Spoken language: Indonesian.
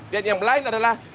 dan yang lain adalah